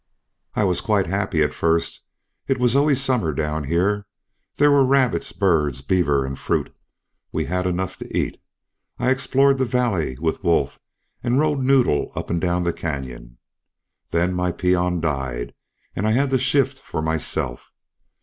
"I was quite happy at first. It's always summer down here. There were rabbits, birds, beaver, and fruit we had enough to eat. I explored the valley with Wolf or rode Noddle up and down the canyon. Then my peon died, and I had to shift for myself.